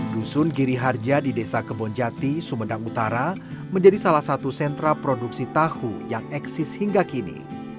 dusun giri harja di desa kebonjati sumedang utara menjadi salah satu sentra produksi tahu yang eksis hingga kini